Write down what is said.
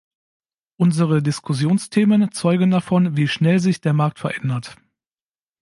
Unsere Diskussionsthemen zeugen davon, wie schnell sich der Markt verändert.